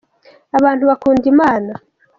abantu bakunda Imana.